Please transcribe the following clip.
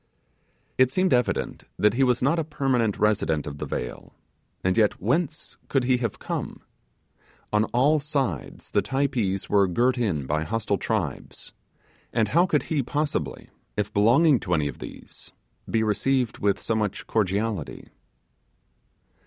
It seemed evident that he was not a permanent resident of the vale, and yet, whence could he have come? On all sides the Typees were girt in by hostile tribes, and how could he possibly, if belonging to any of these, be received with so much cordiality?